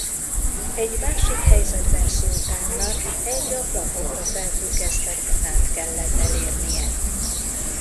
Egy másik helyzetben Szultánnak egy a plafonra felfüggesztett banánt kellett elérnie.